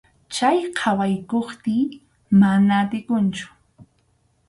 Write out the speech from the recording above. Chay qhawaykuptiy mana atikunchu.